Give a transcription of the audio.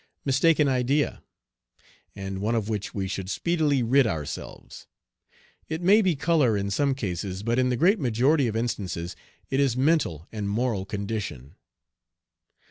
Mistaken idea! and one of which we should speedily rid ourselves. It may be color in some cases, but in the great majority of instances it is mental and moral condition.